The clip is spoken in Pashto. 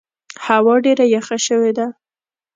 هوا ډېره یخه سوې ده.